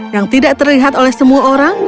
yang tidak terlihat oleh semua orang